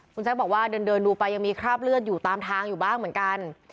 คุณแซคบอกว่าเดินดูไปยังมีคราบเลือดอยู่ตามทางอยู่บ้างเหมือนกัน